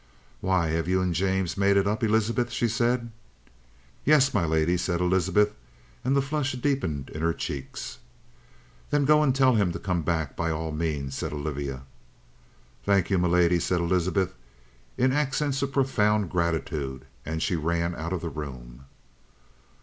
"Why, have you and James made it up, Elizabeth?" she said. "Yes, m'lady," said Elizabeth, and the flush deepened in her cheeks. "Then go and tell him to come back, by all means," said Olivia. "Thank you, m'lady," said Elizabeth, in accents of profound gratitude, and she ran out of the room.